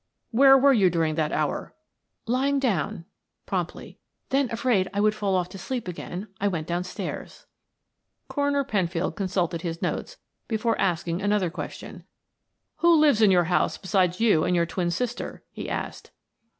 "Where were you during that hour?" "Lying down," promptly. "Then, afraid I would drop off to sleep again, I went downstairs." Coroner Penfield consulted his notes before asking another question. "Who lives in your house beside you and your twin sister?" he asked.